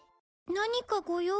何かご用？